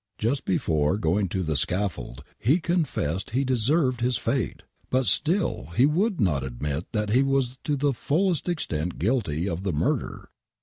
Just before going to the scaffold he confessed he deserved his fate, but still he would not admit that he was to the fullest extent guilty of the murder.